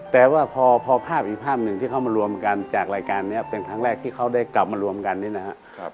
แต่ว่าพอภาพอีกภาพหนึ่งที่เขามารวมกันจากรายการนี้เป็นครั้งแรกที่เขาได้กลับมารวมกันนี่นะครับ